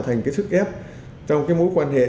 thành cái sức ép trong cái mối quan hệ